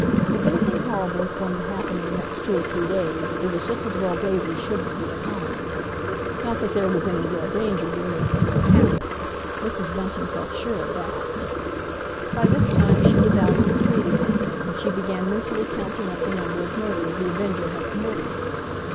If anything horrible was going to happen in the next two or three days—it was just as well Daisy shouldn't be at home. Not that there was any real danger that anything would happen,—Mrs. Bunting felt sure of that. By this time she was out in the street again, and she began mentally counting up the number of murders The Avenger had committed.